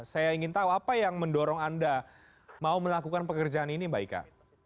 saya ingin tahu apa yang mendorong anda mau melakukan pekerjaan ini mbak ika